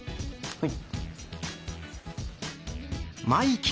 はい。